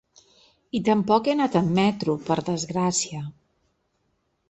I tampoc he anat amb metro, per desgràcia.